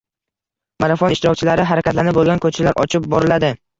Marafon ishtirokchilari harakatlanib bo‘lgan ko‘chalar ochib boriladi